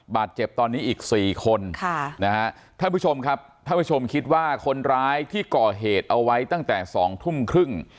บาดเจ็บตอนนี้อีก๔คนท่านผู้ชมครับท่านผู้ชมคิดว่าคนร้ายที่ก่อเหตุเอาไว้ตั้งแต่๒ทุ่มครึ่ง